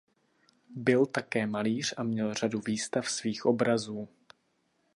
Byl také malíř a měl řadu výstav svých obrazů.